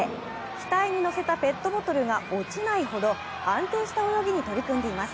額にのせたペットボトルが落ちないほど安定した泳ぎに取り組んでいます。